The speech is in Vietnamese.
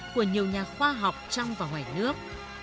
của nhiều nhà khoa học trong và ngoài nước